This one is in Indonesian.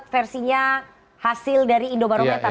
versinya hasil dari indobarometer